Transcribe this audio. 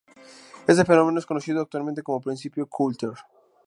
Este fenómeno es conocido actualmente como principio Coulter.